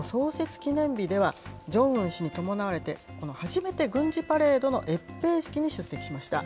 記念日では、ジョンウン氏に伴われて、初めて軍事パレードの閲兵式に出席しました。